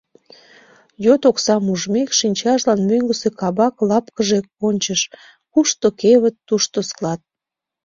Йот оксам ужмек, шинчажлан мӧҥгысӧ кабак-лапкыже кончыш: кушто кевыт — тушто склад.